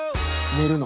寝るの。